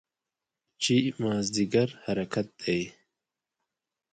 چې مازدیګر حرکت دی.